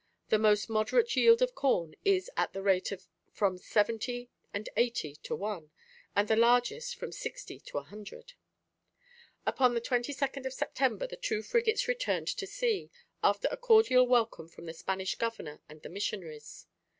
The most moderate yield of corn is at the rate of from seventy and eighty to one, and the largest from sixty to a hundred." Upon the 22nd of September the two frigates returned to sea, after a cordial welcome from the Spanish governor and the missionaries.